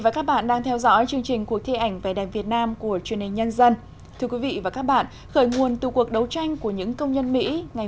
các bạn hãy đăng ký kênh để ủng hộ kênh của chúng mình nhé